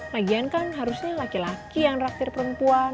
lagian kan harusnya laki laki yang reaktir perempuan